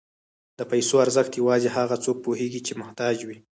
د پیسو ارزښت یوازې هغه څوک پوهېږي چې محتاج وي.